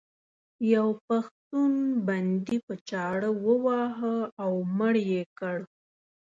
یو پښتون بندي په چاړه وواهه او مړ یې کړ.